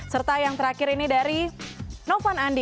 serta yang terakhir ini dari novan andi